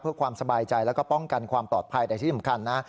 เพื่อความสบายใจแล้วก็ป้องกันความปลอดภัยแต่ที่สำคัญนะ